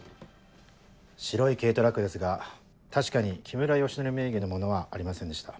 白い軽トラックですが確かに木村良徳名義のものはありませんでした。